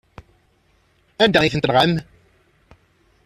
Anda ay tent-tenɣam?